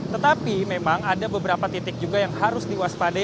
tetapi memang ada beberapa titik juga yang harus diwaspadai